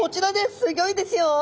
すギョいですよ。